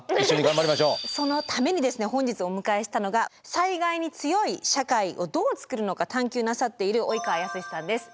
そのためにですね本日お迎えしたのが災害に強い社会をどう作るのか探求なさっている及川康さんです。